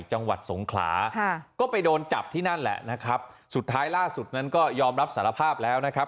จังหวัดสงขลาค่ะก็ไปโดนจับที่นั่นแหละนะครับสุดท้ายล่าสุดนั้นก็ยอมรับสารภาพแล้วนะครับ